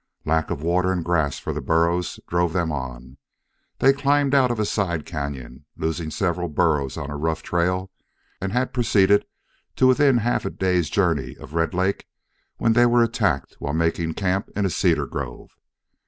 Lack of water and grass for the burros drove them on. They climbed out of a side cañon, losing several burros on a rough trail, and had proceeded to within half a day's journey of Red Lake when they were attacked while making camp in a cedar grove.